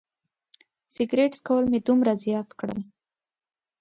سګرټ څکول مې دومره زیات کړل.